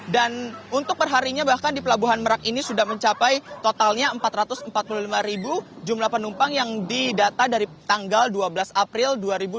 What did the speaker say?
dan untuk perharinya bahkan di pelabuhan merak ini sudah mencapai totalnya empat ratus empat puluh lima jumlah penumpang yang didata dari tanggal dua belas april dua ribu dua puluh tiga